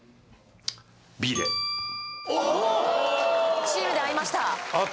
Ｂでおっチームで合いました